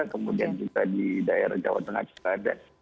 kemudian juga di daerah jawa tengah juga ada